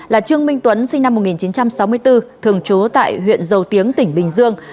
là trương minh tuấn sinh năm một nghìn chín trăm sáu mươi bốn thường trú tại huyện dầu tiếng tỉnh bình dương